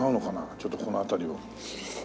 ちょっとこの辺りを。